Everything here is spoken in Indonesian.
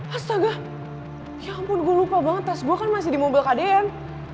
astaga ya ampun gue lupa banget tas gue kan masih di mobil kdm